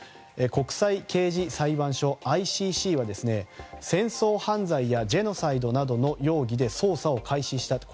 国際刑事裁判所・ＩＣＣは戦争犯罪やジェノサイドなどの容疑で捜査を開始した。